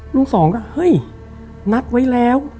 สองก็เฮ้ยนัดไว้แล้ว